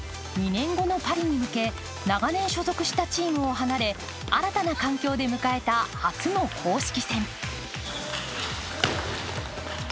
２年後のパリに向け、長年所属したチームを離れ新たな環境で迎えた初の公式戦。